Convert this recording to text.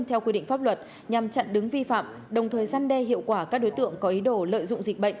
theo quy định pháp luật nhằm chặn đứng vi phạm đồng thời gian đe hiệu quả các đối tượng